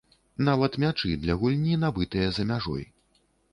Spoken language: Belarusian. Нават мячы для гульні набытыя за мяжой.